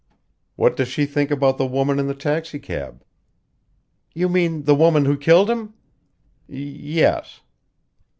"What does she think about the woman in the taxicab?" "You mean the woman who killed him?" "Yes."